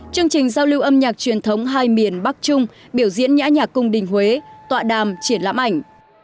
chương trình giao lưu âm nhạc truyền thống hai miền bắc trung biểu diễn nhã nhạc cung đình huế tọa đàm triển lãm ảnh